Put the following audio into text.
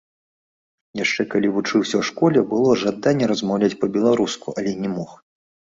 Яшчэ калі вучыўся ў школе, было жаданне размаўляць па-беларуску, але не мог.